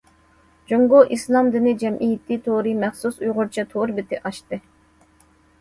جۇڭگو ئىسلام دىنى جەمئىيىتى تورى مەخسۇس ئۇيغۇرچە تور بېتى ئاچتى.